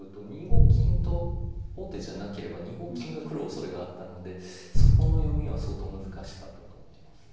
王手じゃなければ２五金が来るおそれがあったのでそこの読みは相当難しかったと思いますね。